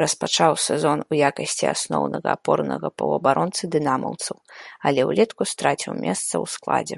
Распачаў сезон у якасці асноўнага апорнага паўабаронцы дынамаўцаў, але ўлетку страціў месца ў складзе.